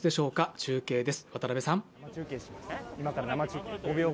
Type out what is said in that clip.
中継です。